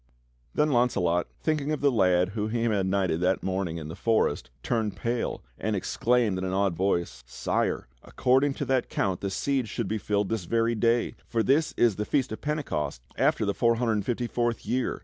Then Launcelot, thinking of the lad whom he had knighted that morning in the forest, turned pale, and exclaimed in an awed voice: "Sire, according to that count the Siege should be filled this very day, for this is the Feast of Pentecost after the four hundred and fifty fourth year.